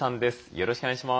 よろしくお願いします。